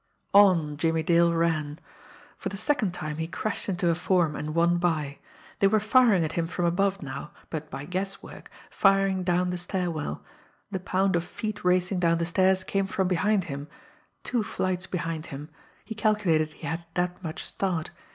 On Jimmie Dale ran. For the second time he crashed into a form, and won by. They were firing at him from above now but by guesswork firing down the stair well. The pound of feet racing down the stairs came from behind him two flights behind him he calculated he had that much start.